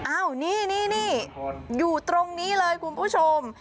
อ้าวนี่อยู่ตรงนี้เลยคุณผู้ชม